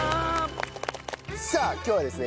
さあ今日はですね